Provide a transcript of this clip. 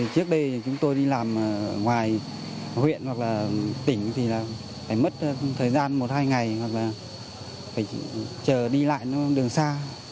trước đây thì chúng tôi đi làm ngoài huyện hoặc là tỉnh thì là phải mất thời gian một hai ngày hoặc là phải chờ đi lại đường xa